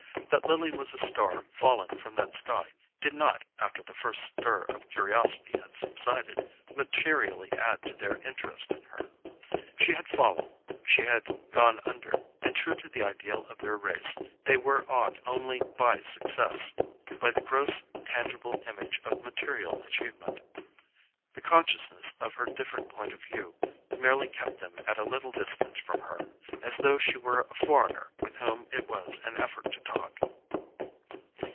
That Lily was a star fallen from that sky did not, after the first stir of curiosity had subsided, materially add to their interest in her. She had fallen, she had "gone under," and true to the ideal of their race, they were awed only by success—by the gross tangible image of material achievement. The consciousness of her different point of view merely kept them at a little distance from her, as though she were a foreigner with whom it was an effort to talk.